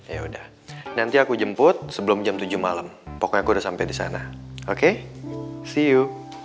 ya udah nanti aku jemput sebelum jam tujuh malam pokoknya aku udah sampai di sana oke si yuk